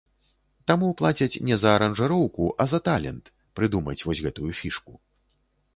Таму плацяць не за аранжыроўку, а за талент прыдумаць вось гэтую фішку.